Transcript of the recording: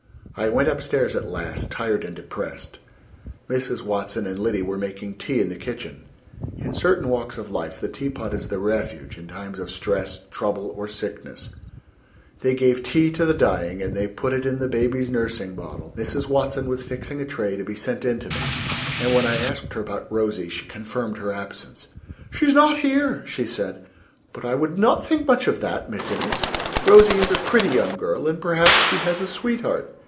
I went up stairs at last, tired and depressed. Mrs. Watson and Liddy were making tea in the kitchen. In certain walks of life the tea pot is the refuge in times of stress, trouble or sickness: they give tea to the dying and they put it in the baby's nursing bottle. Mrs. Watson was fixing a tray to be sent in to me, and when I asked her about Rosie she confirmed her absence. "She's not here," she said; "but I would not think much of that, Miss Innes. Rosie is a pretty young girl, and perhaps she has a sweetheart.